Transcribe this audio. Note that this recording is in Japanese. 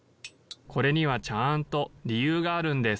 ・これにはちゃんとりゆうがあるんです。